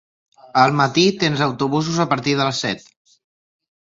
Al matí tens autobusos a partir de les set.